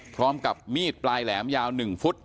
พร้อมกับมีดปลายแหลมยาว๑ฟุต